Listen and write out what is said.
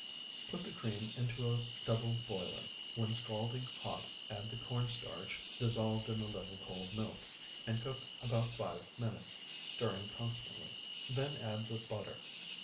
Put the cream into a double boiler; when scalding hot add the corn starch dissolved in a little cold milk, and cook about five minutes, stirring constantly. Then add the butter.